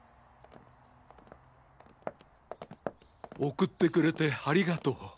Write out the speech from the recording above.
送ってくれてありがとう。